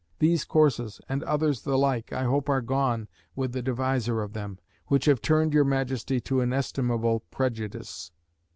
These courses and others the like I hope are gone with the deviser of them; which have turned your Majesty to inestimable prejudice."